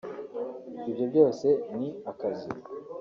ibyo byose ni akazi